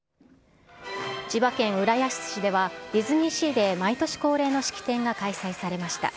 千葉県浦安市では、ディズニーシーで毎年恒例の式典が開催されました。